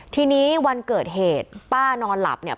ทีนี้วันเกิดเหตุป้านอนหลับเนี่ย